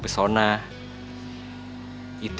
pria jes yuk